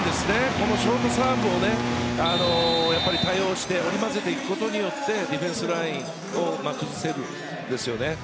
この勝負サーブをやっぱり対応して織り交ぜていくことでディフェンスラインを崩せるんですね。